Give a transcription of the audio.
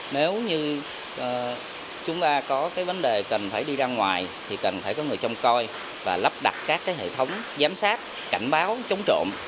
nếu như chúng ta có cái vấn đề cần phải đi ra ngoài thì cần phải có người trông coi và lắp đặt các hệ thống giám sát cảnh báo chống trộm